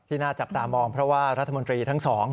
น่าจับตามองเพราะว่ารัฐมนตรีทั้งสอง